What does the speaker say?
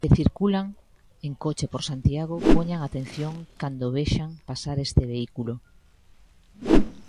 Se circulan en coche por Santiago, poñan atención cando vexan pasar este vehículo.